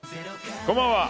こんばんは。